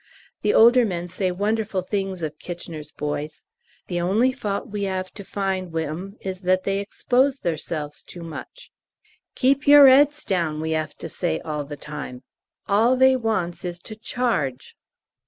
The older men say wonderful things of K.'s boys: "The only fault we 'ave to find wi' 'em is that they expose theirselves too much. 'Keep your 'eads down!' we 'ave to say all the time. All they wants is to charge."